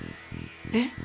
えっ？